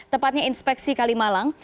tepatnya inspeksi kalimalang